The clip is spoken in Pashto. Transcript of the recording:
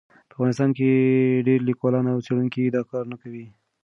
په افغانستان کې ډېر لیکوالان او څېړونکي دا کار نه کوي.